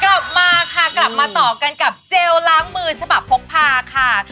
กลับมาค่ะกลับมาต่อกันกับเจลล้างมือฉบับพกพาค่ะ